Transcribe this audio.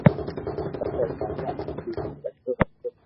پسي او راجا آپ ھي ڀجتو ڀجتو